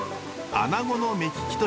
アナゴの目利きと。